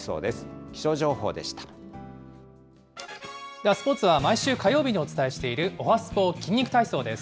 ではスポーツは、毎週火曜日にお伝えしている、おはＳＰＯ筋肉体操です。